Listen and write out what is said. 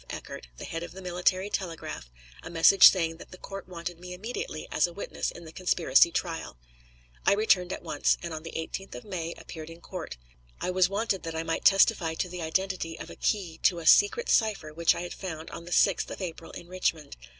Eckert, the head of the military telegraph, a message saying that the court wanted me immediately as a witness in the conspiracy trial. I returned at once, and on the 18th of May appeared in court. I was wanted that I might testify to the identity of a key to a secret cipher which I had found on the 6th of April in Richmond.